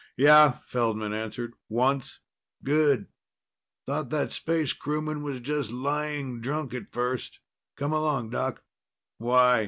"Yeah," Feldman answered. "Once." "Good. Thought that space crewman was just lying drunk at first. Come along, Doc." "Why?"